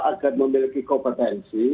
agar memiliki kompetensi